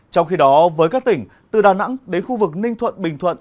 trong khi đó với các tỉnh từ đà nẵng đến khu vực ninh thuận bình thuận